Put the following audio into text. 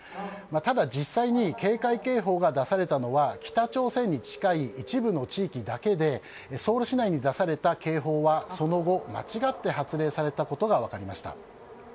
ただ、実際に警戒警報が出されたのは北朝鮮に近い一部の地域だけでソウル市内に出された警報はその後、間違って発令されたことが分かりました。